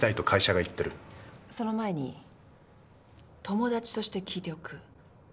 その前に友達として聞いておく。